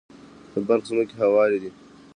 د بلخ ځمکې هوارې دي